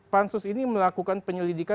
pansus ini melakukan penyelidikan